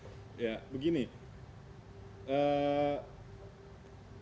dari pandangan kami